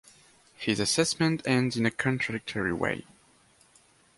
His assessment ends in a contradictory way.